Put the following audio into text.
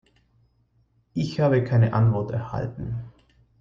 Ich habe keine Antwort erhalten.